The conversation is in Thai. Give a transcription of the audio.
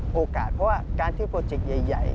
เพราะว่าการที่โปรเจคใหญ่